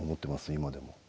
今でも。